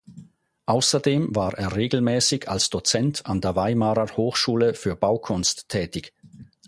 Außerdem war er regelmäßig als Dozent an der Weimarer Hochschule für Baukunst tätig.